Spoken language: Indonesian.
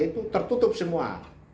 itu tertutup semua